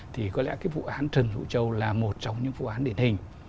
thì có lẽ cái vụ án trần hữu châu là một trong những vụ án điển hình